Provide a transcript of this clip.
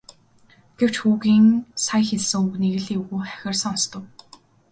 Гэвч хүүгийн нь сая хэлсэн үг нэг л эвгүй хахир сонстов.